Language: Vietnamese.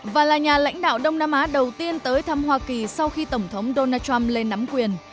và là nhà lãnh đạo đông nam á đầu tiên tới thăm hoa kỳ sau khi tổng thống donald trump lên nắm quyền